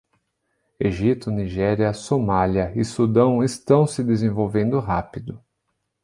Egito, Nigéria, Somália e Sudão estão se desenvolvendo rápido